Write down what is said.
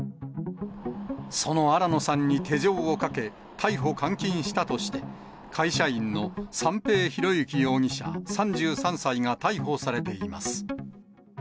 その新野さんに手錠をかけ、逮捕監禁したとして、会社員の三瓶博幸容疑者３３歳が逮捕されています。